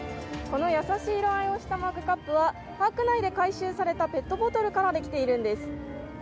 この優しい色合いをしたマグカップはパーク内で回収されたペットボトルからできているんです。